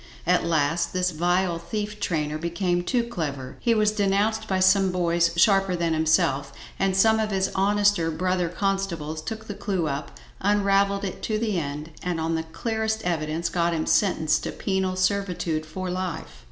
At last this vile thief trainer became too clever; he was denounced by some boys sharper than himself, and some of his honester brother constables took the clue up, unravelled it to the end, and on the clearest evidence got him sentenced to penal servitude for life.